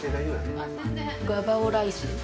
ガパオライスで。